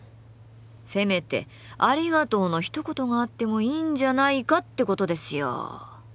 せめて「ありがとう」のひと言があってもいいんじゃないかってことですよ。